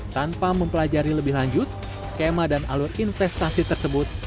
tanpa mempelajari lebih lanjut skema dan alur investasi tersebut